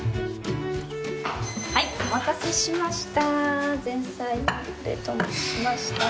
はいお待たせしました。